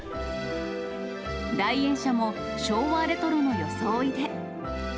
来園者も昭和レトロの装いで。